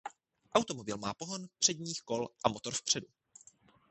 Automobil má pohon předních kol a motor vpředu.